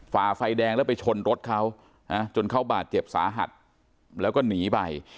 ฝ่าไฟแดงแล้วไปชนรถเขาจนเขาบาดเจ็บสาหัสแล้วก็หนีไป